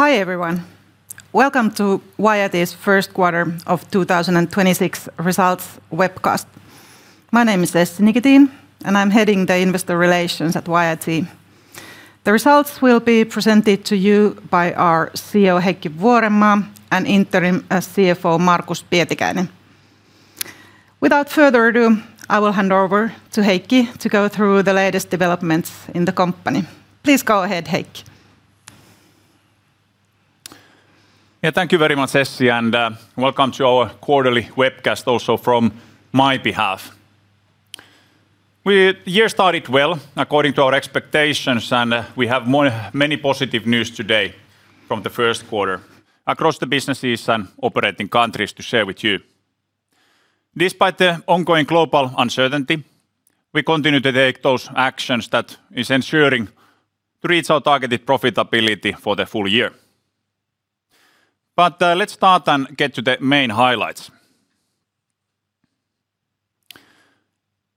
Hi, everyone. Welcome to YIT's First Quarter of 2026 Results Webcast. My name is Essi Nikitin, and I'm heading the Investor Relations at YIT. The results will be presented to you by our CEO, Heikki Vuorenmaa, and Interim CFO, Markus Pietikäinen. Without further ado, I will hand over to Heikki to go through the latest developments in the company. Please go ahead, Heikki. Yeah, thank you very much, Essi, and welcome to our quarterly webcast also from my behalf. Year started well according to our expectations, and we have many positive news today from the first quarter across the businesses and operating countries to share with you. Despite the ongoing global uncertainty, we continue to take those actions that is ensuring to reach our targeted profitability for the full year. Let's start and get to the main highlights.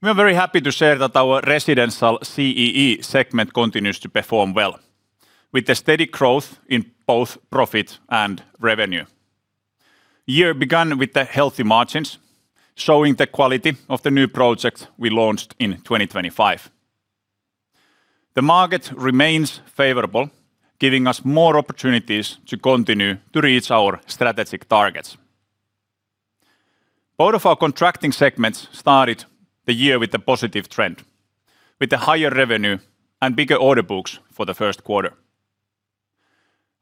We are very happy to share that our Residential CEE segment continues to perform well with a steady growth in both profit and revenue. Year began with the healthy margins, showing the quality of the new projects we launched in 2025. The market remains favorable, giving us more opportunities to continue to reach our strategic targets. Both of our contracting segments started the year with a positive trend, with a higher revenue and bigger order books for the first quarter.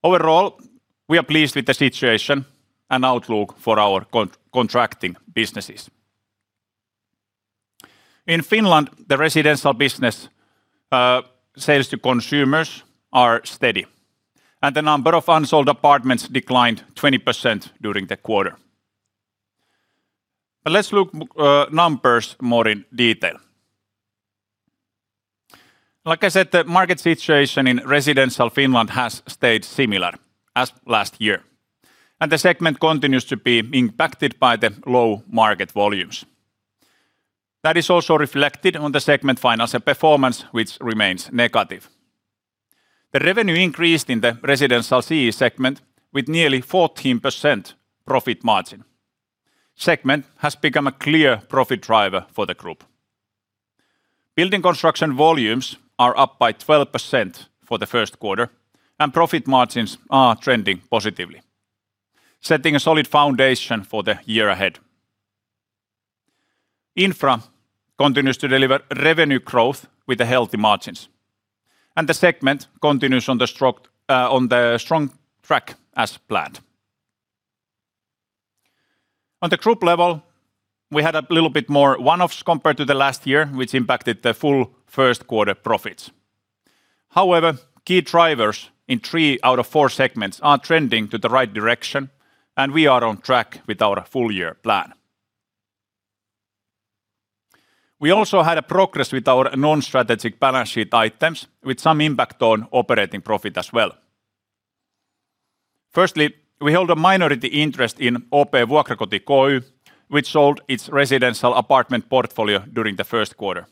Overall, we are pleased with the situation and outlook for our contracting businesses. In Finland, the residential business, sales to consumers are steady, and the number of unsold apartments declined 20% during the quarter. Let's look at the numbers more in detail. Like I said, the market situation in Residential Finland has stayed similar as last year, and the segment continues to be impacted by the low market volumes. That is also reflected on the segment financial performance, which remains negative. The revenue increased in the Residential CEE segment with nearly 14% profit margin. The segment has become a clear profit driver for the group. Building Construction volumes are up by 12% for the first quarter, and profit margins are trending positively, setting a solid foundation for the year ahead. Infra continues to deliver revenue growth with the healthy margins, and the segment continues on the strong track as planned. On the group level, we had a little bit more one-offs compared to the last year, which impacted the full first quarter profits. However, key drivers in three out of four segments are trending to the right direction, and we are on track with our full-year plan. We also had a progress with our non-strategic balance sheet items with some impact on operating profit as well. Firstly, we hold a minority interest in OP Vuokrakoti Ky, which sold its residential apartment portfolio during the first quarter.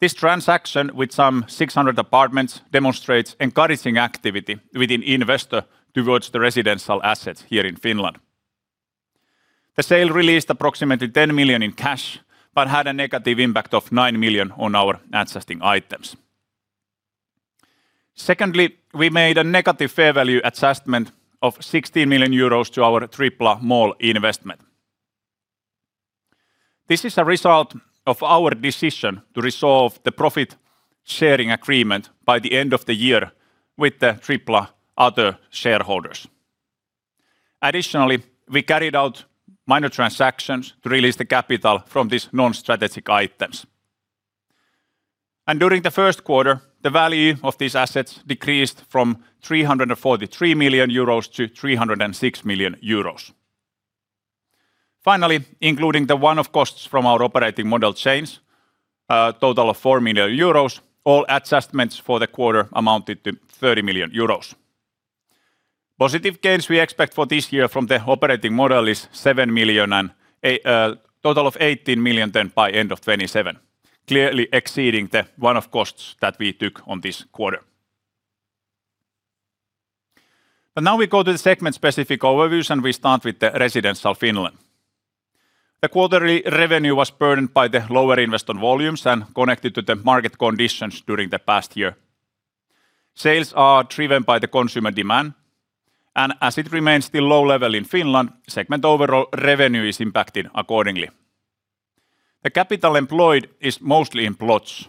This transaction with some 600 apartments demonstrates encouraging activity within investor towards the residential assets here in Finland. The sale released approximately 10 million in cash but had a negative impact of 9 million on our adjusted items. Secondly, we made a negative fair value adjustment of 60 million euros to our Tripla Mall investment. This is a result of our decision to resolve the profit-sharing agreement by the end of the year with the Tripla other shareholders. Additionally, we carried out minor transactions to release the capital from these non-strategic items. During the first quarter, the value of these assets decreased from 343 million-306 million euros. Finally, including the one-off costs from our operating model change, a total of 4 million euros, all adjustments for the quarter amounted to 30 million euros. Positive gains we expect for this year from the operating model is 7 million and a total of 18 million then by end of 2027, clearly exceeding the one-off costs that we took on this quarter. Now we go to the segment-specific overviews, and we start with the Residential Finland. The quarterly revenue was burdened by the lower investment volumes and connected to the market conditions during the past year. Sales are driven by the consumer demand, and as it remains still low level in Finland, segment overall revenue is impacted accordingly. The capital employed is mostly in plots,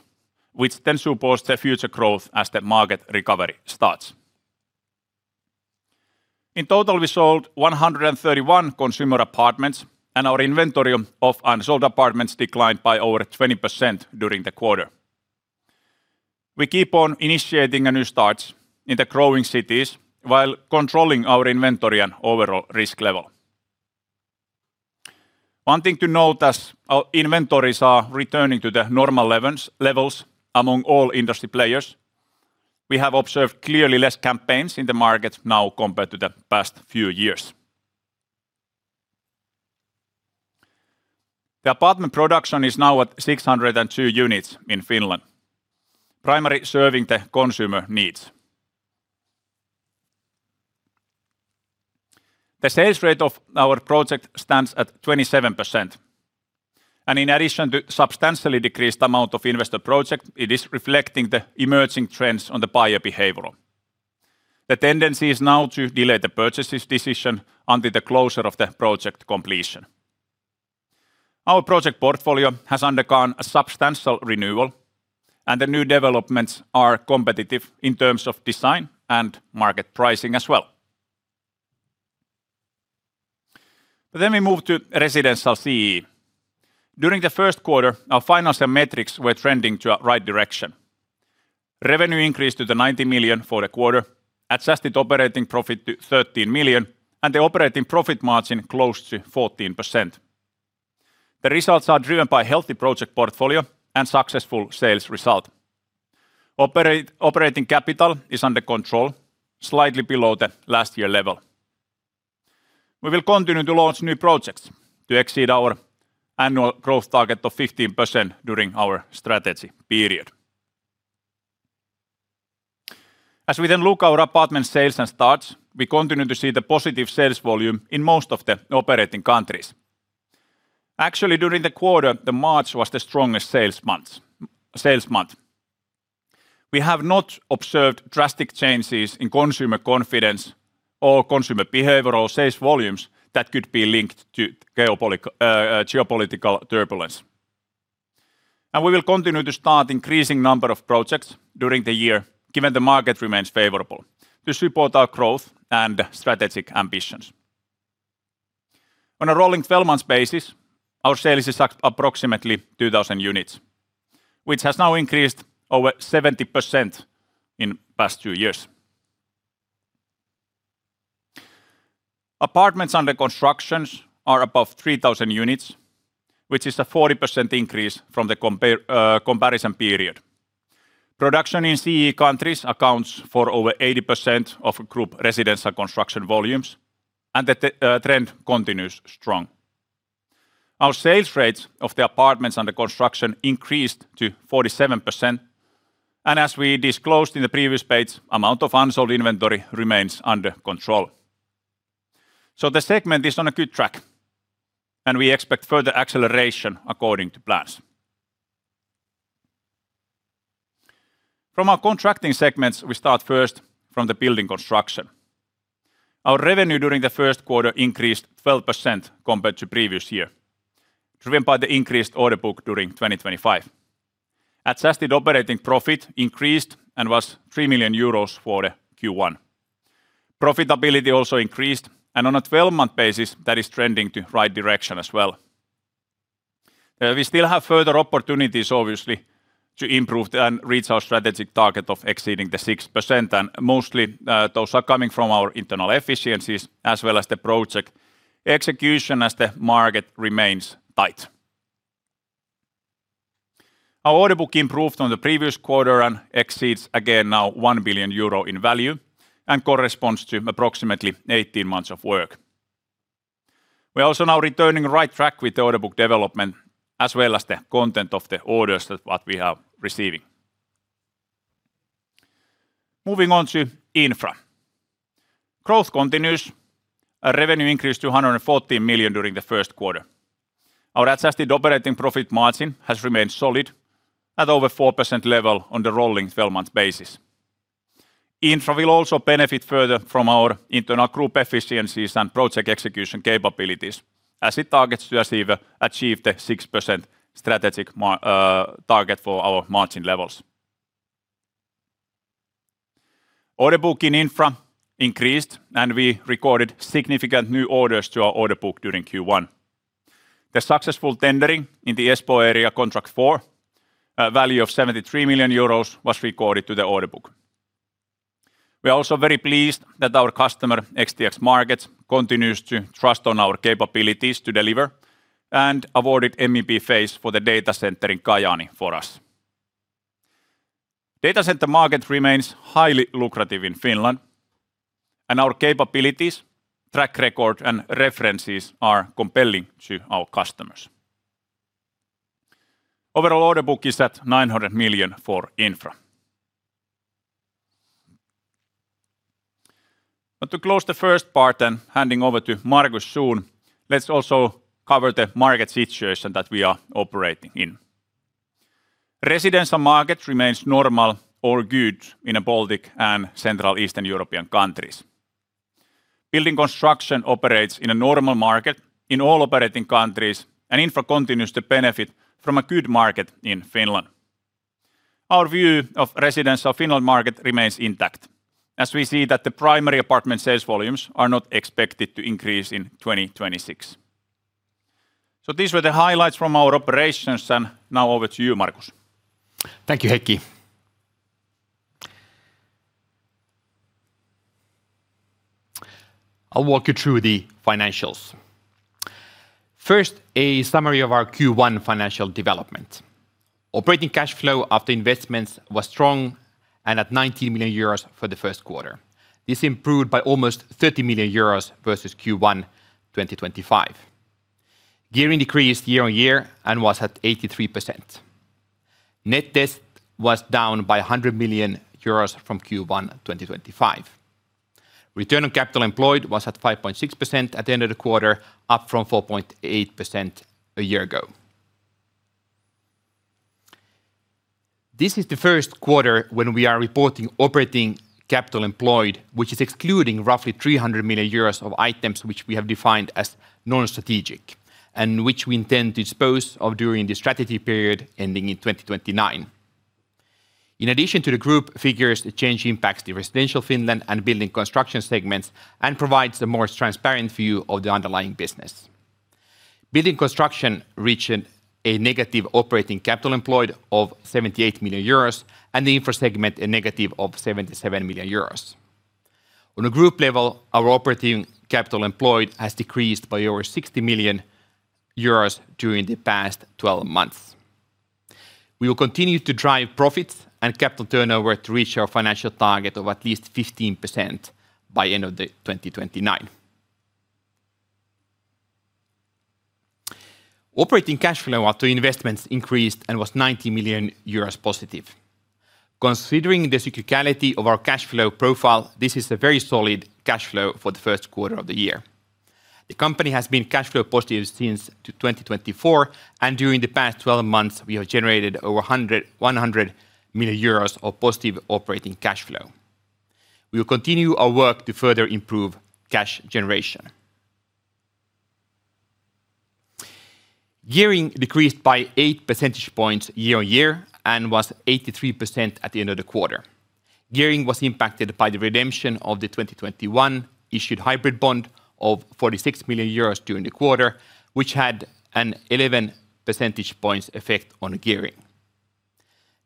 which then supports the future growth as the market recovery starts. In total, we sold 131 consumer apartments, and our inventory of unsold apartments declined by over 20% during the quarter. We keep on initiating new starts in the growing cities while controlling our inventory and overall risk level. One thing to note as our inventories are returning to the normal levels among all industry players, we have observed clearly less campaigns in the market now compared to the past few years. The apartment production is now at 602 units in Finland, primarily serving the consumer needs. The sales rate of our projects stands at 27%, and in addition to substantially decreased amount of investor projects, it is reflecting the emerging trends on the buyer behavior. The tendency is now to delay the purchase decision until closer to the project completion. Our project portfolio has undergone a substantial renewal, and the new developments are competitive in terms of design and market pricing as well. We move to Residential CEE. During the first quarter, our financial metrics were trending in the right direction. Revenue increased to 90 million for the quarter, adjusted operating profit to 13 million, and the operating profit margin close to 14%. The results are driven by healthy project portfolio and successful sales result. Operating capital is under control, slightly below the last year level. We will continue to launch new projects to exceed our annual growth target of 15% during our strategy period. As we then look at our apartment sales and starts, we continue to see the positive sales volume in most of the operating countries. Actually, during the quarter, March was the strongest sales month. We have not observed drastic changes in consumer confidence or consumer behavior sales volumes that could be linked to geopolitical turbulence. We will continue to start increasing number of projects during the year, given the market remains favorable to support our growth and strategic ambitions. On a rolling 12 months basis, our sales is at approximately 2,000 units, which has now increased over 70% in past two years. Apartments under construction are above 3,000 units, which is a 40% increase from the comparison period. Production in CEE countries accounts for over 80% of group residential construction volumes, and the trend continues strong. Our sales rates of the apartments under construction increased to 47%, and as we disclosed in the previous page, amount of unsold inventory remains under control. The segment is on a good track, and we expect further acceleration according to plans. From our contracting segments, we start first from the Building Construction. Our revenue during the first quarter increased 12% compared to previous year, driven by the increased order book during 2025. Adjusted operating profit increased and was 3 million euros for the Q1. Profitability also increased, and on a 12-month basis, that is trending in the right direction as well. We still have further opportunities, obviously, to improve and reach our strategic target of exceeding the 6%. Mostly, those are coming from our internal efficiencies as well as the project execution as the market remains tight. Our order book improved on the previous quarter and exceeds again now 1 billion euro in value and corresponds to approximately 18 months of work. We are also now back on the right track with the order book development as well as the content of the orders that we are receiving. Moving on to Infra. Growth continues. Our revenue increased to 114 million during the first quarter. Our adjusted operating profit margin has remained solid at over 4% level on the rolling 12-month basis. Infra will also benefit further from our internal group efficiencies and project execution capabilities as it targets to achieve the 6% strategic target for our margin levels. Order book in Infra increased, and we recorded significant new orders to our order book during Q1. The successful tendering in the Espoo area contract 4, a value of 73 million euros, was recorded to the order book. We are also very pleased that our customer, XTX Markets, continues to trust on our capabilities to deliver and awarded MEP phase for the data center in Kajaani for us. Data center market remains highly lucrative in Finland, and our capabilities, track record, and references are compelling to our customers. Overall order book is at 900 million for Infra. To close the first part and handing over to Markus soon, let's also cover the market situation that we are operating in. Residential market remains normal or good in the Baltic and Central and Eastern European countries. Building Construction operates in a normal market in all operating countries, and Infra continues to benefit from a good market in Finland. Our view of Residential Finland market remains intact, as we see that the primary apartment sales volumes are not expected to increase in 2026. These were the highlights from our operations, and now over to you, Markus. Thank you, Heikki. I'll walk you through the financials. First, a summary of our Q1 financial development. Operating cash flow after investments was strong and at 90 million euros for the first quarter. This improved by almost 30 million euros versus Q1 2025. Gearing decreased year-on-year and was at 83%. Net debt was down by 100 million euros from Q1 2025. Return on capital employed was at 5.6% at the end of the quarter, up from 4.8% a year ago. This is the first quarter when we are reporting operating capital employed, which is excluding roughly 300 million euros of items which we have defined as non-strategic, and which we intend to dispose of during the strategy period ending in 2029. In addition to the group figures, the change impacts the Residential Finland and Building Construction segments and provides a more transparent view of the underlying business. Building Construction reached a negative operating capital employed of 78 million euros and the Infra segment a negative of 77 million euros. On a group level, our operating capital employed has decreased by over 60 million euros during the past 12 months. We will continue to drive profits and capital turnover to reach our financial target of at least 15% by end of 2029. Operating cash flow after investments increased and was 90 million euros positive. Considering the cyclicality of our cash flow profile, this is a very solid cash flow for the first quarter of the year. The company has been cash flow positive since Q2 2024, and during the past 12 months we have generated over 100 million euros of positive operating cash flow. We will continue our work to further improve cash generation. Gearing decreased by 8 percentage points year-on-year and was 83% at the end of the quarter. Gearing was impacted by the redemption of the 2021-issued hybrid bond of 46 million euros during the quarter, which had an 11 percentage points effect on gearing.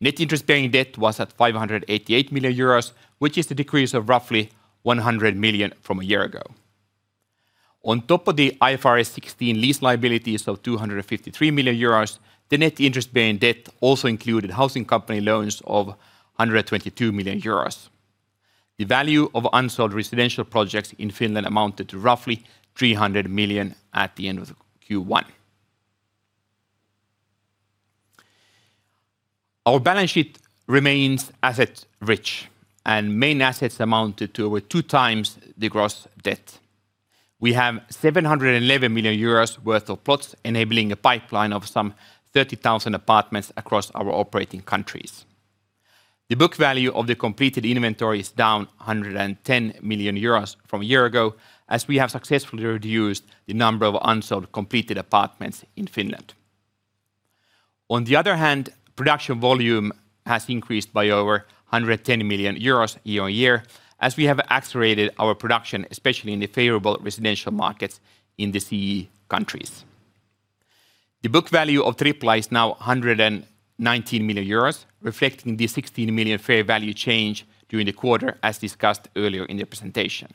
Net interest-bearing debt was at 588 million euros, which is the decrease of roughly 100 million from a year ago. On top of the IFRS 16 lease liabilities of 253 million euros, the net interest-bearing debt also included housing company loans of 122 million euros. The value of unsold residential projects in Finland amounted to roughly 300 million at the end of Q1. Our balance sheet remains asset rich, and main assets amounted to over 2x the gross debt. We have 711 million euros worth of plots, enabling a pipeline of some 30,000 apartments across our operating countries. The book value of the completed inventory is down 110 million euros from a year ago, as we have successfully reduced the number of unsold completed apartments in Finland. On the other hand, production volume has increased by over 110 million euros year-on-year, as we have accelerated our production, especially in the favorable residential markets in the CEE countries. The book value of Tripla is now 119 million euros, reflecting the 16 million fair value change during the quarter, as discussed earlier in the presentation.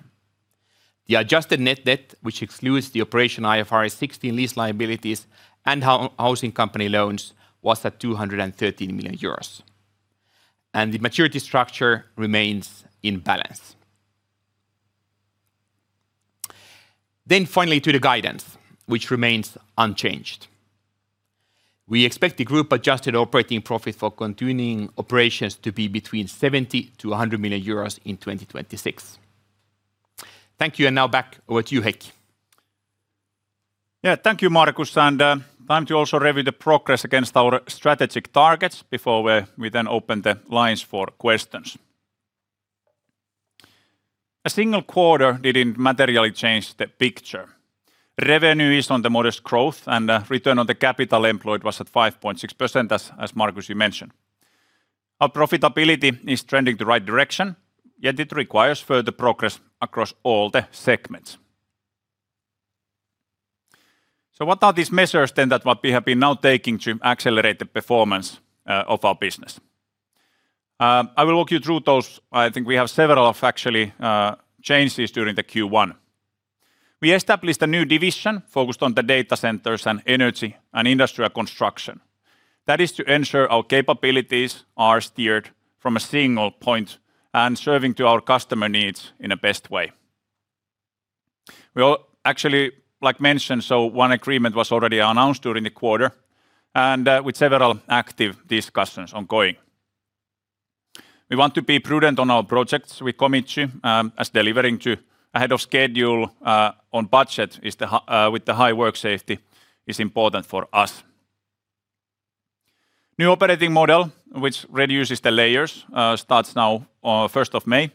The adjusted net debt, which excludes the operation IFRS 16 lease liabilities and housing company loans, was at 213 million euros. The maturity structure remains in balance. Finally to the guidance, which remains unchanged. We expect the group adjusted operating profit for continuing operations to be between 70 million-100 million euros in 2026. Thank you, and now back over to you, Heikki. Thank you, Markus, and time to also review the progress against our strategic targets before we then open the lines for questions. A single quarter didn't materially change the picture. Revenue is on the modest growth and return on capital employed was at 5.6% as Markus, you mentioned. Our profitability is trending the right direction, yet it requires further progress across all the segments. What are these measures then that what we have been now taking to accelerate the performance of our business? I will walk you through those. I think we have several of actually changes during the Q1. We established a new division focused on the data centers and energy and industrial construction. That is to ensure our capabilities are steered from a single point and serving to our customer needs in the best way. We are actually, like mentioned, one agreement was already announced during the quarter and with several active discussions ongoing. We want to be prudent on our projects we commit to, as delivering ahead of schedule, on budget with high work safety is important for us. New operating model, which reduces the layers, starts now on 1st of May,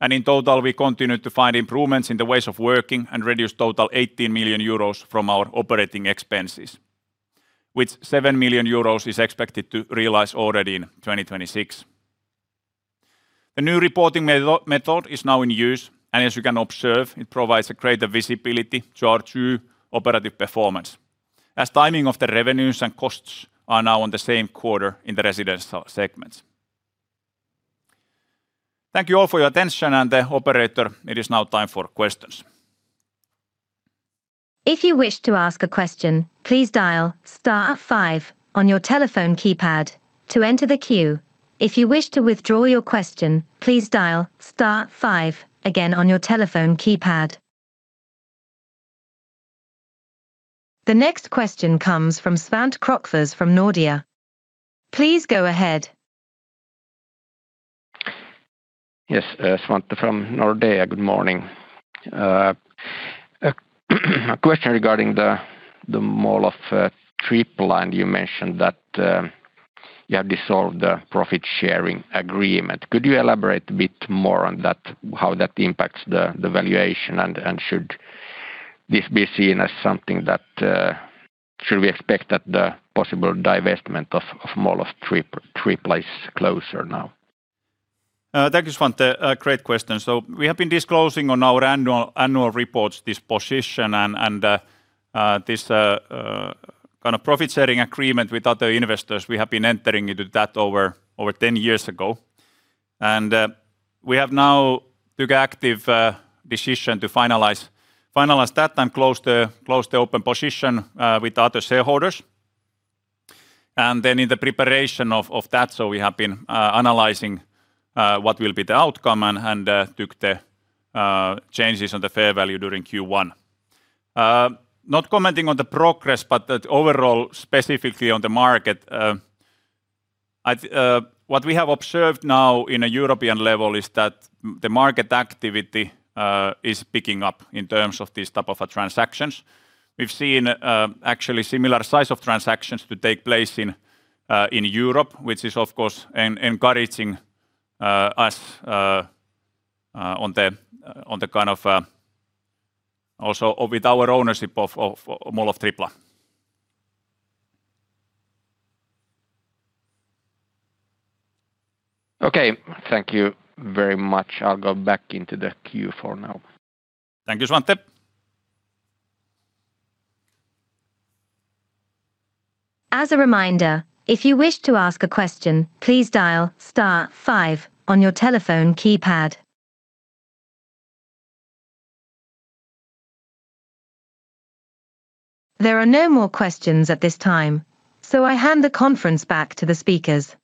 and in total, we continue to find improvements in the ways of working and reduce 80 million euros from our operating expenses, of which 7 million euros is expected to realize already in 2026. The new reporting method is now in use, and as you can observe, it provides a greater visibility to our true operating performance, as timing of the revenues and costs are now on the same quarter in the residential segments. Thank you all for your attention, and the operator, it is now time for questions. If you wish to ask a question please dial star five on your telephone keypad, to enter the queue. If you wish to withdraw your question please dial star five again on your telephone keypad. The next question comes from Svante Krokfors from Nordea. Please go ahead. Yes, Svante from Nordea. Good morning. A question regarding the Mall of Tripla. You mentioned that you have dissolved the profit-sharing agreement. Could you elaborate a bit more on that, how that impacts the valuation and should this be seen as something that should we expect that the possible divestment of Mall of Tripla is closer now? Thank you, Svante. A great question. We have been disclosing on our annual reports this position and this kind of profit-sharing agreement with other investors. We have been entering into that over ten years ago. We have now took active decision to finalize that and close the open position with other shareholders. Then in the preparation of that, we have been analyzing what will be the outcome and took the changes on the fair value during Q1. Not commenting on the progress, but the overall, specifically on the market, what we have observed now in a European level is that the market activity is picking up in terms of these type of a transactions. We've seen actually similar size of transactions to take place in Europe, which is, of course, encouraging us. Also with our ownership of Mall of Tripla. Okay, thank you very much. I'll go back into the queue for now. Thank you, Svante. As a reminder, if you wish to ask a question, please dial star five on your telephone keypad. There are no more questions at this time, so I hand the conference back to the speakers.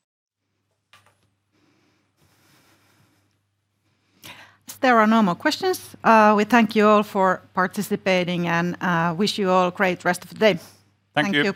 There are no more questions. We thank you all for participating and wish you all great rest of the day. Thank you.